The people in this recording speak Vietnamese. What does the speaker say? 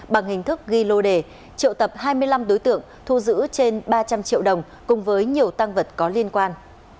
bằng hình thức ghi lô đề triệu tập hai mươi năm đối tượng thu giữ trên ba trăm linh triệu đồng cùng với nhiều tăng vật có liên quan